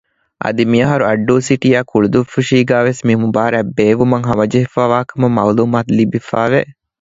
އަދި މިއަހަރު އައްޑޫ ސިޓީއާއި ކުޅުދުއްފުށީގައި ވެސް މި މުބާރާތް ބޭއްވުމަށް ހަމަޖެހިފައިވާކަމަށް މައުލޫމާތު ލިބިފައިވެ